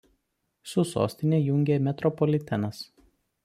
Su sostine jungia metropolitenas.